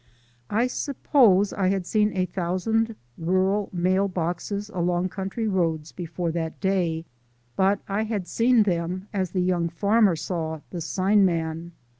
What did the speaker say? I suppose I had seen a thousand rural mail boxes along country roads before that day, but I had seen them as the young farmer saw the sign man.